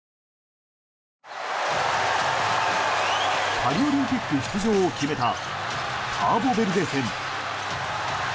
パリオリンピック出場を決めたカーボベルデ戦。